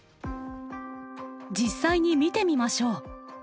実際に見てみましょう。